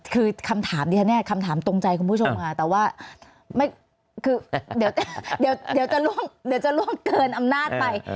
คือคำถามตรงใจคุณผู้ชมค่ะแต่ว่าเดี๋ยวจะล่วงเกินอำนาจไป